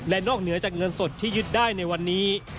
และนอกเหนือจากเงินสดที่ยึดได้ในวันนี้